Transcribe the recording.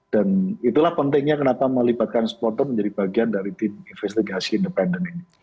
dan itulah pentingnya kenapa melibatkan supporter menjadi bagian dari tim investigasi independen ini